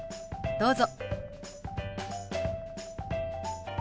どうぞ。